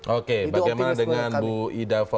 oke bagaimana dengan bu ida fauziah itu kenapa kemudian menangkan